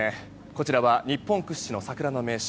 こちらは日本屈指の桜の名所